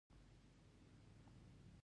ورزش د بدن روغتیا ته ګټه لري.